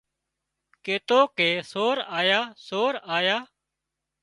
ڪيتو ڪي سور آيا سور آيا